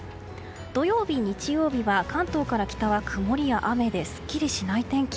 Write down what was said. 土曜日、日曜日は関東から北は曇りや雨ですっきりしない天気。